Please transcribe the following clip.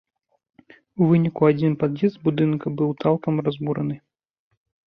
У выніку адзін пад'езд будынка быў цалкам разбураны.